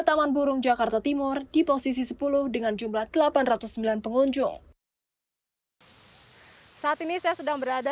taman burung jakarta timur di posisi sepuluh dengan jumlah delapan ratus sembilan pengunjung saat ini saya sedang berada